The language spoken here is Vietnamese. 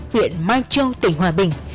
huyện mai châu tỉnh hòa bình